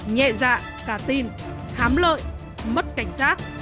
nhẹ dạ cả tin hám lợi mất cảnh giác